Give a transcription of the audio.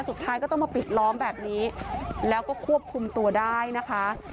สุดท้ายก็ต้องมาปิดล้อมแบบนี้แล้วก็ควบคุมตัวได้นะคะ